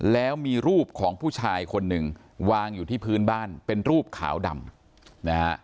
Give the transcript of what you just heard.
แล้วมีรูปของผู้ชายคนหนึ่งวางอยู่ที่พื้นบ้านเป็นรูปขาวดำนะฮะ